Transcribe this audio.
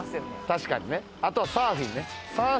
確かにねあとサーフィンね。